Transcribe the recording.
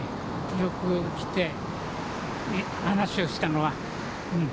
よく来て話をしたのは。